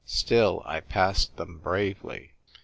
Still, I passed them bravely.